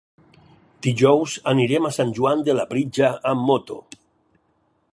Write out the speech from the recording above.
Dijous anirem a Sant Joan de Labritja amb moto.